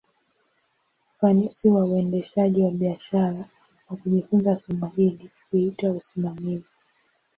Ufanisi wa uendeshaji wa biashara, na kujifunza somo hili, huitwa usimamizi.